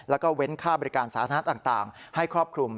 แล้วก็เว้นค่าบริการสาธารณะต่างให้ครอบคลุม